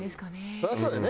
そりゃそうだよね